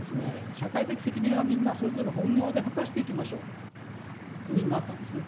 社会的責任はみんなそれぞれ本業で果たしていきましょうというふうになったんですね。